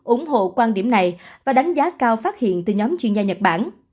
ủng hộ quan điểm này và đánh giá cao phát hiện từ nhóm chuyên gia nhật bản